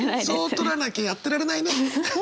そう取らなきゃやってられないね。